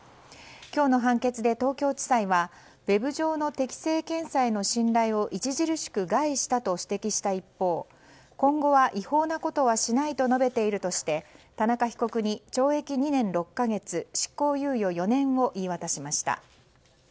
今日の判決で東京地裁はウェブ上の適性検査への信頼を著しく害したと指摘した一方今後は違法なことはしないと述べているとして田中被告にこれはっ！濃厚でコク深い甘ずっぱさ